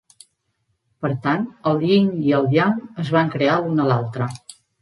Per tant, el yin i el yang es van crear l'un a l'altre.